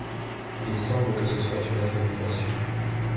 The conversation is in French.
Il semble que ce soit une affabulation.